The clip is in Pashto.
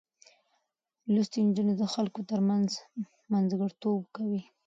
لوستې نجونې د خلکو ترمنځ منځګړتوب کوي.